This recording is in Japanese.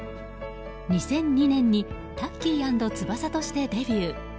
２００２年にタッキー＆翼としてデビュー。